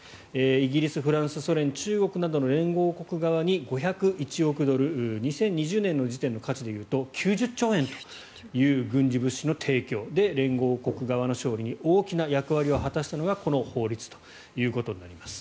イギリス、フランスソ連、中国などの連合国側に５０１億ドル２０２０年の時点の価値で言うと９０兆円という軍事物資の提供で連合国側の勝利に大きな役割を果たしたのがこの法律ということです。